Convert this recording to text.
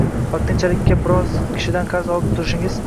vaqtinchalikka biror kishidan qarz olib turishingiz va